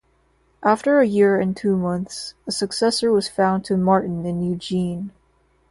After a year and two months, a successor was found to Martin in Eugene.